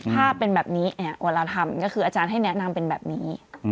ภาพเป็นแบบนี้เวลาทำก็คืออาจารย์ให้แนะนำเป็นแบบนี้